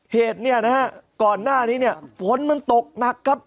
เหตุเนี่ยนะฮะก่อนหน้านี้เนี่ยฝนมันตกหนักครับ